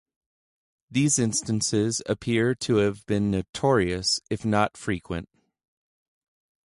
These instances appear to have been notorious, if not frequent.